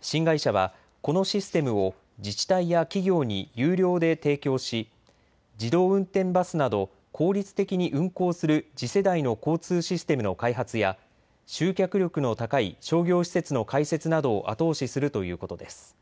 新会社はこのシステムを自治体や企業に有料で提供し自動運転バスなど効率的に運行する次世代の交通システムの開発や集客力の高い商業施設の開設などを後押しするということです。